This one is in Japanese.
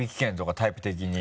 タイプ的に。